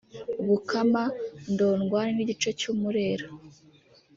Bukama-Ndorwan’igice cy’u Murera